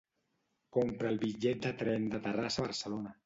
Compra el bitllet de tren de Terrassa a Barcelona.